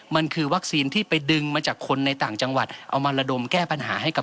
มันคือวัคซีนที่ไปดึงมาจากคนในต่างจังหวัดเอามาระดมแก้ปัญหาให้กับ